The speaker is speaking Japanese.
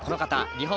日本